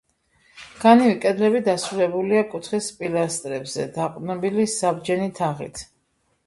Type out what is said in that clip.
განივი კედლები დასრულებულია კუთხის პილასტრებზე დაყრდნობილი საბჯენი თაღით.